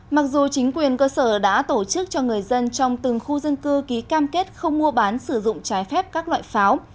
mặc dù chính quyền cơ sở đã tổ chức cho người dân trong từng khu dân cư ký cam kết không mua bán sử dụng trái phép các loại pháo